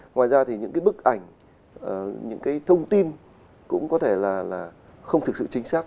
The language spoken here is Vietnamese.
ngoài ra thì những bức ảnh những thông tin cũng có thể là không thực sự chính xác